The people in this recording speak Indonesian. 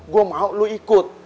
gua mau lu ikut